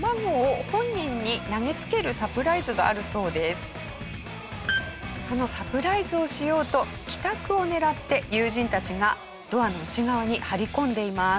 バク宙のインドネシアではそのサプライズをしようと帰宅を狙って友人たちがドアの内側に張り込んでいます。